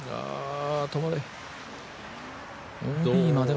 ああ、止まれ。